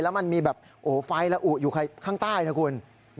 แล้วมันมีแบบไฟระอุอยู่ข้างใต้นะคุณ